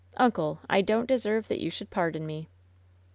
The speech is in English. Uncle 1 I don't de serve that you should pardon me!"